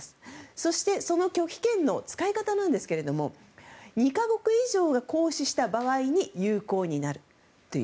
そして、その拒否権の使い方なんですけれども２か国以上が行使した場合に有効になるという。